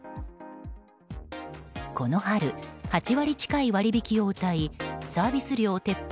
この春８割近い割引きをうたいサービス料撤廃